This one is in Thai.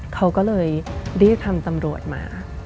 เขาก็เลยรีบทำตำรวจมา